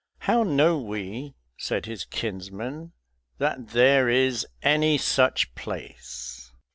"How know we," said his kinsman, "that there is any such place?"